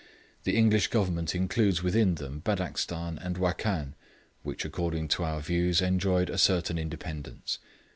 The English Government includes within them Badakshan and Wakkan, which according to our views enjoyed a certain independence.